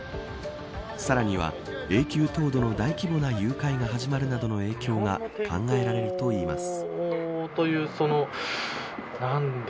さらには、永久凍土の大規模な融解が始まるなどの影響が考えられるといいます。